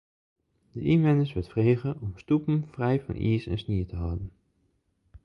De ynwenners wurdt frege om stoepen frij fan iis en snie te hâlden.